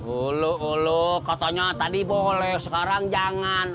uluk ulu katanya tadi boleh sekarang jangan